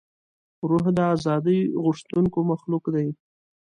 روح د ازادۍ غوښتونکی مخلوق دی.